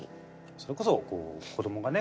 それこそ子どもがね